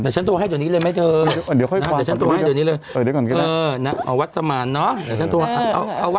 เดี๋ยวฉันโทรหาให้ปกติดตอนนี้เลยไหมเธอเออเอาหัวทรมานเนาะ